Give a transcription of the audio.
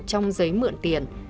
trong giấy mượn tiền